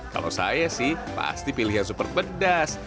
kalau saya sih pasti pilih yang super pedas